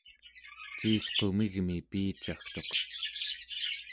ciisqumigmi piicagtuq